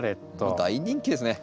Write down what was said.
大人気ですね。